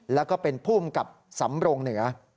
แล้วก็เป็นผู้อำกับสำรงเหนือ